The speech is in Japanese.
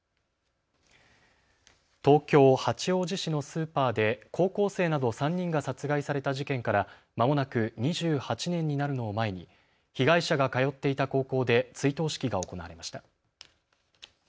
東京八王子市のスーパーで高校生など３人が殺害された事件からまもなく２８年になるのを前に被害者が通っていた高校で追悼式が行われました。